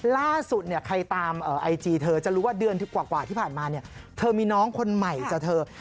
ล่าสุดเนี่ยใครตามไอจีเธอจะรู้ว่าเดือนกว่าที่ผ่านมาเนี่ยเธอมีน้องคนใหม่จากเธอ